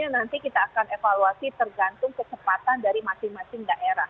nanti kita akan evaluasi tergantung kecepatan dari masing masing daerah